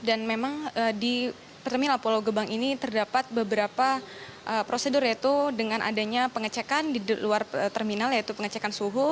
dan memang di terminal pulau gebang ini terdapat beberapa prosedur yaitu dengan adanya pengecekan di luar terminal yaitu pengecekan suhu